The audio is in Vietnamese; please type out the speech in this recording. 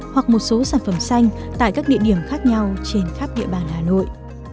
hoặc một số sản phẩm xanh tại các địa điểm khác nhau trên khắp địa bàn hà nội